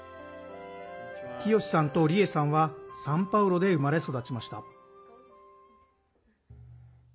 清さんと梨江さんはサンパウロで生まれ育ちました。